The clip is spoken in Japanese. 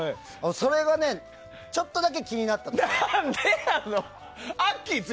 それがね、ちょっとだけ気になったの。